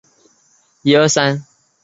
其总部设于九龙尖沙咀香港童军中心。